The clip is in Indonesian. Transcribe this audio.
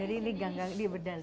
jadi ini ganggang ini berdali